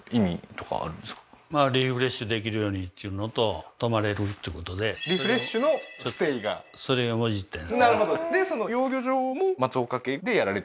まあリフレッシュできるようにっちゅうのと泊まれるっていうことでリフレッシュのステイがそれをもじったような